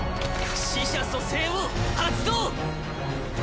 死者蘇生を発動！